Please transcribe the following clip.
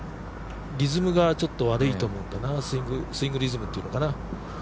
リズムがちょっと悪いと思うんだな、スイングリズムっていうのかな。